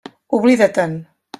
Oblida-te'n.